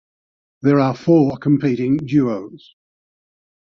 There are four competing duos.